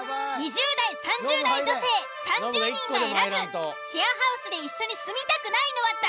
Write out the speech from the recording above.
２０代３０代女性３０人が選ぶシェアハウスで一緒に住みたくないのは誰？